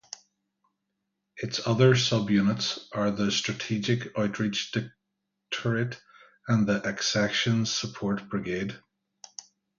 Its other subunits are the Strategic Outreach Directorate and the Accessions Support Brigade.